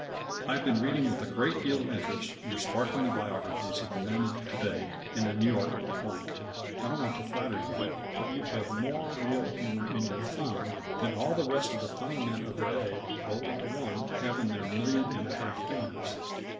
I have been reading with a great deal of interest your sparkling biographies of the Men of To day in the New York "Blank." I don't want to flatter you, but you have more real humor in your thumb than all the rest of the funny men of the day rolled into one have in their million and a half fingers.